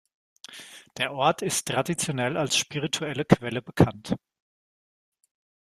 Der Ort ist traditionell als spirituelle Quelle bekannt.